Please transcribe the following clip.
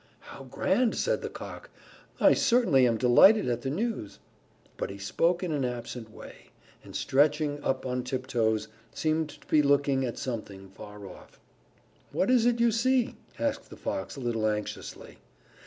"How grand!" said the Cock. "I certainly am delighted at the news." But he spoke in an absent way, and stretching up on tiptoes, seemed to be looking at something afar off. "What is it you see?" asked the Fox a little anxiously.